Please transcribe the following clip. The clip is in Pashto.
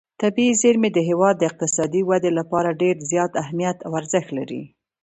طبیعي زیرمې د هېواد د اقتصادي ودې لپاره ډېر زیات اهمیت او ارزښت لري.